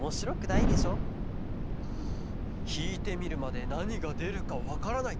ひいてみるまでなにがでるかわからない。